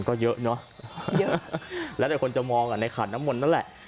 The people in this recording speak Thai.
ก็เยอะเนอะเยอะแล้วแต่คนจะมองอ่ะในขันน้ำมนต์นั่นแหละ